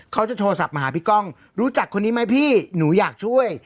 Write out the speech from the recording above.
โทรศัพท์มาหาพี่ก้องรู้จักคนนี้ไหมพี่หนูอยากช่วย